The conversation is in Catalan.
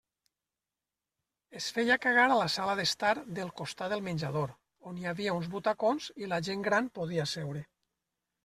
Es feia cagar a la sala d'estar del costat del menjador, on hi havia uns butacons i la gent gran podia seure.